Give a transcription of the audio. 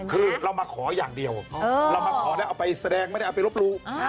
คือเรามาขออย่างเดียวเรามาขอแล้วเอาไปแสดงไม่ได้เอาไปรบรู้